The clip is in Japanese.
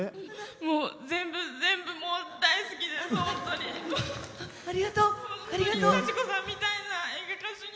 もう全部、全部もう大好きです、本当に。